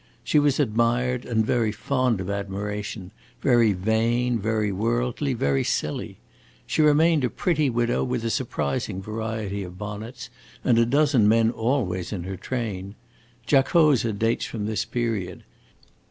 She was admired and very fond of admiration; very vain, very worldly, very silly. She remained a pretty widow, with a surprising variety of bonnets and a dozen men always in her train. Giacosa dates from this period.